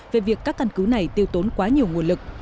về việc các căn cứ này tiêu tốn quá nhiều nguồn lực